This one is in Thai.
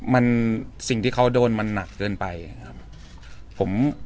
มันสิ่งที่เขาโดนมันหนักเกินไปนะครับ